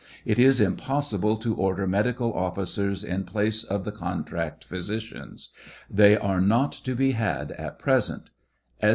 It is impossible to order medical officers in place of the contract physicians. They are not to be had at present.